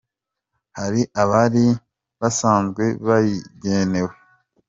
hari abari basanzwe bayigenewe.